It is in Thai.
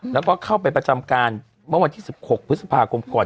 แล้วก็เข้าไปประจำการเมื่อวันที่๑๖พฤษภาคมก่อน